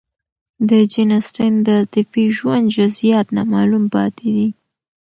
د جین اسټن د عاطفي ژوند جزئیات نامعلوم پاتې دي.